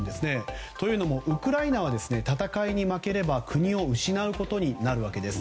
というのもウクライナは戦いに負ければ国を失うことになるわけです。